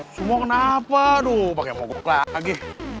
semua kenapa aduh pakai mogok lagi